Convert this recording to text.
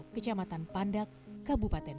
kecamatan pandak kalimantan dan jepang